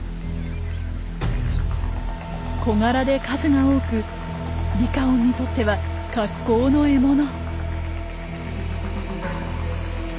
小柄で数が多くリカオンにとっては格好の獲物。